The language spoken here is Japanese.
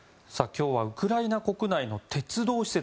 今日はウクライナ国内の鉄道施設